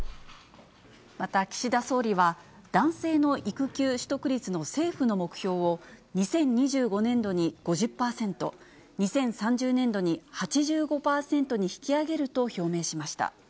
また岸田総理は、男性の育休取得率の政府の目標を２０２５年度に５０％、２０３０年度に８５％に引き上げると表明しました。